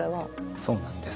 そうなんです。